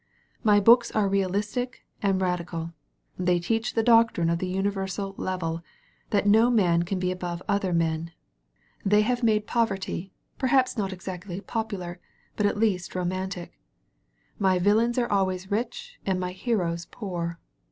My books are realistic and radical. They teach the doctrine of the universal level, that no man can be above other men. They have made 216 THE PRIMITIVE poverty, perhaps not exactly popular, but at least romantic. My villains are always rich and my heroes poor.